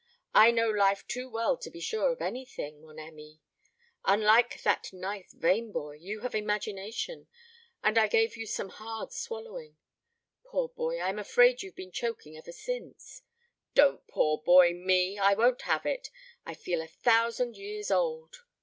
I know life too well to be sure of anything, mon ami. Unlike that nice Vane boy, you have imagination and I gave you some hard swallowing. Poor boy, I'm afraid you've been choking ever since " "Don't 'poor boy' me. I won't have it. I feel a thousand years old."